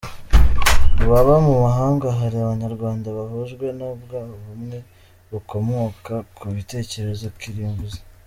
Mu baba mu mahanga hari abanyarwanda bahujwe na bwa bumwe bukomoka ku bitekerezo kirimbuzi.